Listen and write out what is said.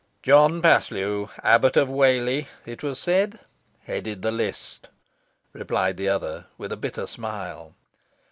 "John Paslew, Abbot of Whalley, it was said, headed the list," replied the other, with a bitter smile.